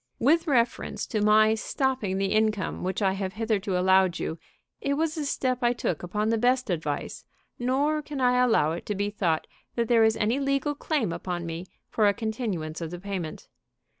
"With reference to my stopping the income which I have hitherto allowed you, it was a step I took upon the best advice, nor can I allow it to be thought that there is any legal claim upon me for a continuance of the payment.